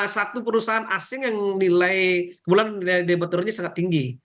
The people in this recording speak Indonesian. satu perusahaan asing yang nilai kebetulannya sangat tinggi